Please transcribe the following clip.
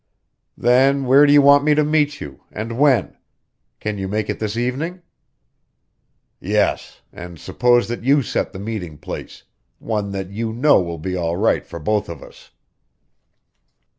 "Then where do you want me to meet you and when? Can you make it this evening?" "Yes; and suppose that you set the meeting place, one that you know will be all right for both of us."